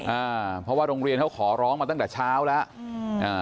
อ่าเพราะว่าโรงเรียนเขาขอร้องมาตั้งแต่เช้าแล้วอืมอ่า